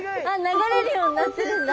流れるようになってるんだ。